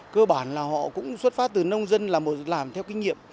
cơ bản là họ cũng xuất phát từ nông dân làm theo kinh nghiệm